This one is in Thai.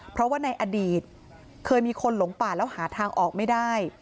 เพราะว่าในอดีตเคยมีคนหลงป่าแล้วหาทางออกไม่ได้